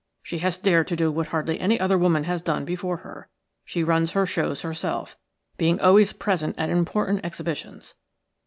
She has dared to do what hardly any other woman has done before her. She runs her shows herself, being always present at important exhibitions.